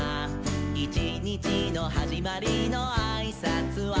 「いちにちのはじまりのあいさつは」